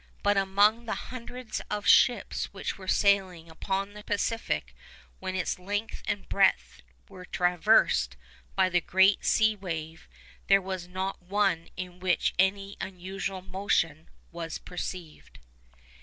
But among the hundreds of ships which were sailing upon the Pacific when its length and breadth were traversed by the great sea wave, there was not one in which any unusual motion was perceived.